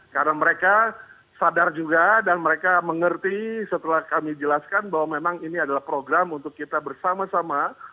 karena mereka sadar juga dan mereka mengerti setelah kami jelaskan bahwa memang ini adalah program untuk kita bersama sama